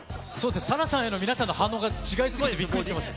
ＳＡＬＡＨさんへの皆さんの反応が違いすぎてびっくりしてます。